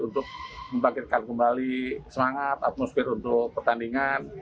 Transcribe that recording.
untuk membangkitkan kembali semangat atmosfer untuk pertandingan